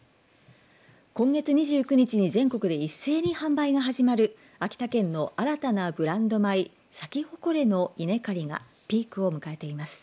今月２９日に全国で一斉に販売が始まる秋田県の新たなブランド米サキホコレの稲刈りがピークを迎えています。